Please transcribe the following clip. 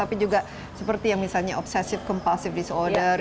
tapi juga seperti yang misalnya obsessive compulsive disorder